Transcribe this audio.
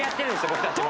僕たちも。